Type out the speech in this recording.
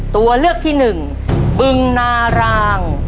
ตัวเลือกที่หนึ่งบึงนาราง